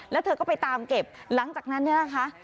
แล้วเธอก็ไปตามเก็บหลังจากนั้นเนี่ยนะคะ